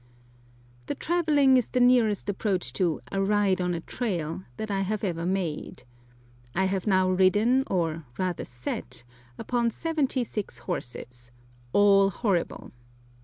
The travelling is the nearest approach to "a ride on a rail" that I have ever made. I have now ridden, or rather sat, upon seventy six horses, all horrible.